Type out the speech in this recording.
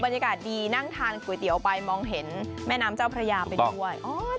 บรรยากาศดีนั่งทานก๋วยเตี๋ยวไปมองเห็นแม่น้ำเจ้าพระยาไปด้วย